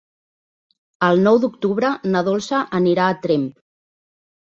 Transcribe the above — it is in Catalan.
El nou d'octubre na Dolça anirà a Tremp.